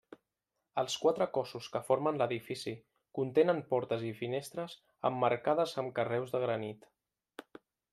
Els quatre cossos que formen l'edifici contenen portes i finestres emmarcades amb carreus de granit.